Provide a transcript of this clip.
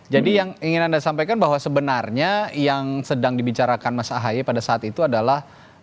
jadi yang ingin anda sampaikan bahwa sebenarnya yang sedang dibicarakan mas ahaye pada saat itu adalah